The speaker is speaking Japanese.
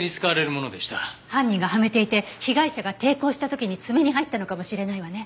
犯人がはめていて被害者が抵抗した時に爪に入ったのかもしれないわね。